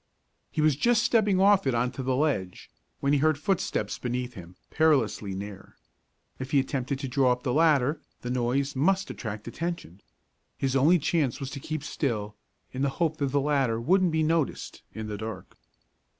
He was just stepping off it on to the ledge, when he heard footsteps beneath him, perilously near. If he attempted to draw up the ladder, the noise must attract attention. His only chance was to keep quite still, in the hope that the ladder wouldn't be noticed in the dark.